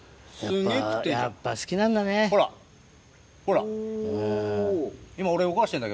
やっぱ好きなんだね。